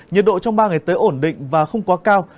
nhiệt độ trong ba ngày tới ổn định và không quá cao